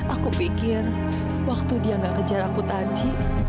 aku pikir waktu dia gak kejar aku tadi